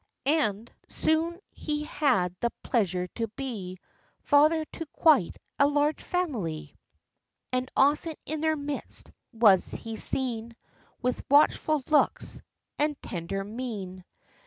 And soon he had the pleasure to be Father to quite a large family; And often in their midst was he seen. With watchful looks, and tender mien.